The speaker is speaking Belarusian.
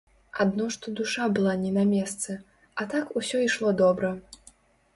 Адно што душа была не на месцы, а так усё ішло добра.